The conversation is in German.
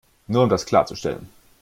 Nur um das klarzustellen.